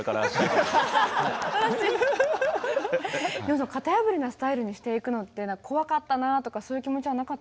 僕の型破りなスタイルにしていくのって怖かったなとかそういう気持ちはなかったですか？